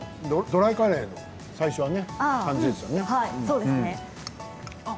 ドライカレーの最初は感じですよね。